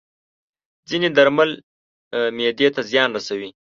ځینې درمل معده ته زیان رسوي.